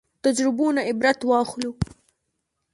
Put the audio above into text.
تجربو نه عبرت واخلو